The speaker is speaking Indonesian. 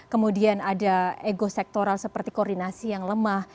kemudian ada ego sektoral seperti koordinasi yang lemah